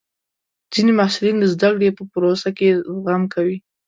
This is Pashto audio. ځینې محصلین د زده کړې په پروسه کې زغم کوي.